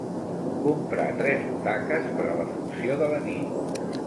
Comprar tres butaques per a la funció de la nit.